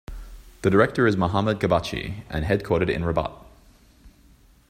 The director is Mohammed Khabbachi, and headquartered in Rabat.